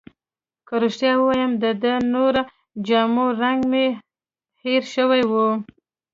که رښتیا ووایم، د دې نورو جامو رنګ مې هیر شوی وو.